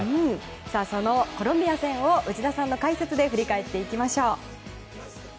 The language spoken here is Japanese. そのコロンビア戦を内田さんの解説で振り返っていきましょう。